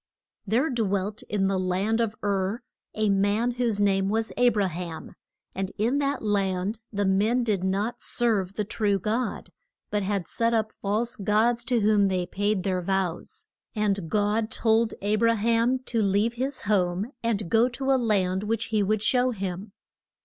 THERE dwelt in the land of Ur a man whose name was A bra ham. And in that land the men did not serve the true God, but had set up false gods to whom they paid their vows. And God told A bra ham to leave his home and go to a land which he would show him.